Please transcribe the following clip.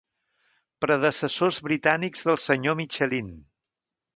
Predecessors britànics del senyor Michelin.